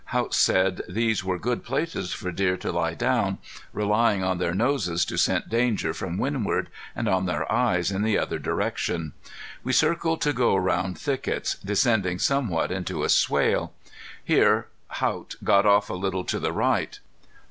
Haught said these were good places for deer to lie down, relying on their noses to scent danger from windward, and on their eyes in the other direction. We circled to go round thickets, descending somewhat into a swale. Here Haught got off a little to the right.